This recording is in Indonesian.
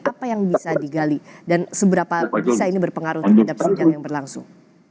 apa yang bisa digali dan seberapa bisa ini berpengaruh terhadap sidang yang berlangsung